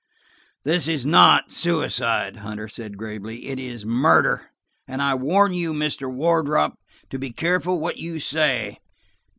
"This is not suicide," Hunter said gravely. "It is murder, and I warn you, Mr. Wardrop, to be careful what you say.